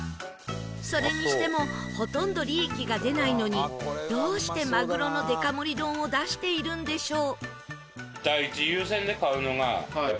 それにしてもほとんど利益が出ないのにどうしてマグロのデカ盛り丼を出しているんでしょう？